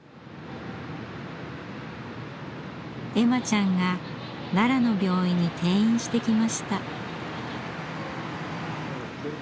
恵満ちゃんが奈良の病院に転院してきました。